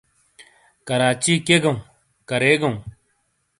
کراچی کِیئے گَؤں، کَرے گَؤں؟